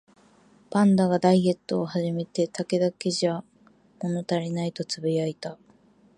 パンダがダイエットを始めて、「竹だけじゃ物足りない」とつぶやいた